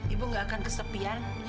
ibu gak akan kesepian